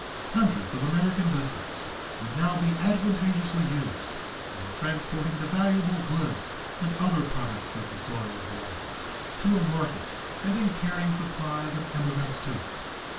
Hundreds of American vessels would now be advantageously used in transporting the valuable woods and other products of the soil of the island to a market and in carrying supplies and emigrants to it.